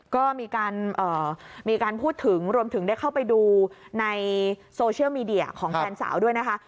ก็มีการพูดถึงรวมถึงได้เข้าไปดูในโซเชียลมีเดียของแฟนสาวด้วยนะคะ